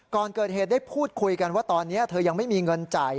ก่อนเกิดเหตุได้พูดคุยกันว่าตอนนี้เธอยังไม่มีเงินจ่าย